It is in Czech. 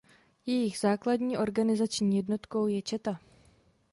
Jejich základní organizační jednotkou je četa.